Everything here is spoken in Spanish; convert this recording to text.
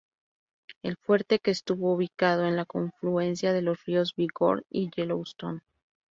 El fuerte, que estuvo ubicado en la confluencia de los ríos Bighorn y Yellowstone.